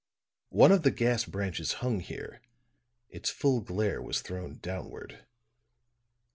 One of the gas branches hung here; its full glare was thrown downward.